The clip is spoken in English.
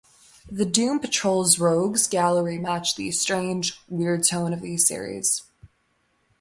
The Doom Patrol's rogues gallery matched the strange, weird tone of the series.